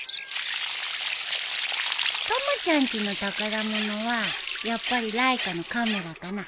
たまちゃんちの宝物はやっぱりライカのカメラかな？